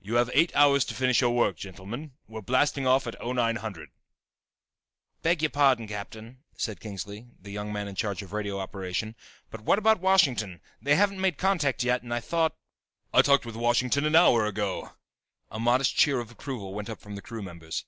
"You have eight hours to finish your work, gentlemen. We're blasting off at 0900." "I beg your pardon, Captain," said Kingsley, the young man in charge of radio operation, "but what about Washington? They haven't made contact yet and I thought " "I talked with Washington an hour ago!" A modest cheer of approval went up from the crew members.